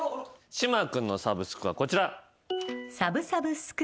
島君のサブスクはこちら。